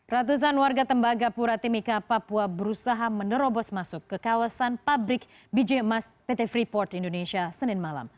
ratusan warga tembagapura timika papua berusaha menerobos masuk ke kawasan pabrik biji emas pt freeport indonesia senin malam